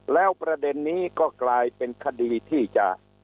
แล้วประเด็นนี้ก็กลายเป็นคดีที่จะ